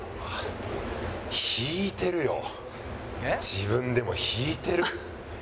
自分でも引いてる。